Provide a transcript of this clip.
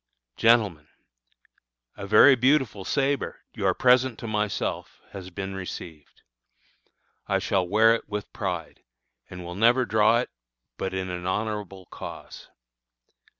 1862. GENTLEMEN: A very beautiful sabre, your present to myself, has been received. I shall wear it with pride, and will never draw it but in an honorable cause.